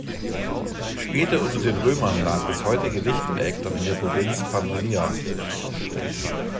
Später unter den Römern lag das heutige Lichtenegg dann in der Provinz Pannonia.